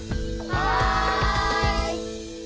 はい！